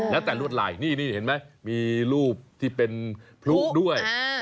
แล้วแต่รวดลายนี่เห็นไหมมีรูปที่เป็นพลุด้วย